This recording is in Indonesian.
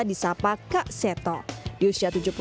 disapa kak seta di usia